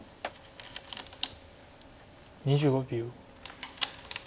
２５秒。